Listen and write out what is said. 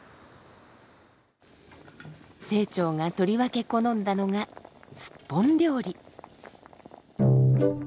清張がとりわけ好んだのがスッポン料理。